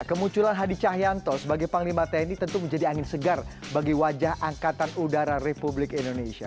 kemunculan hadi cahyanto sebagai panglima tni tentu menjadi angin segar bagi wajah angkatan udara republik indonesia